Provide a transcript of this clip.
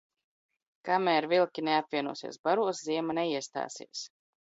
Kam?r vilki neapvienosies baros, ziema neiest?sies.